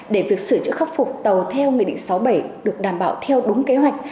để việc sửa chữa khắc phục tàu theo nghị định sáu mươi bảy được đảm bảo theo đúng kế hoạch